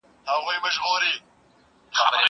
زه بايد کالي وپرېولم!!